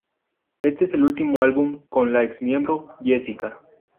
Este es el último álbum con la ex-miembro Jessica.